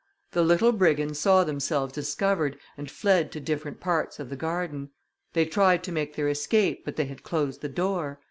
The little brigands saw themselves discovered, and fled to different parts of the garden. They tried to make their escape, but they had closed the door.